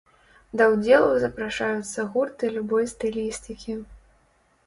Да ўдзелу запрашаюцца гурты любой стылістыкі.